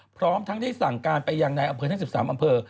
พร้อมทั้งได้สั่งการไปยังในอำเภอทั้ง๑๓อำเภอ